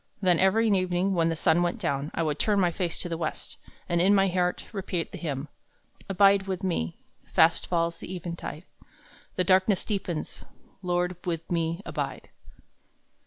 Then every evening when the sun went down, I would turn my face to the west, and in my heart repeat the hymn: "'Abide with me: fast falls the eventide; The darkness deepens: Lord, with me abide.'